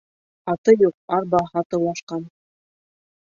Аты юҡ арба һатыулашҡан.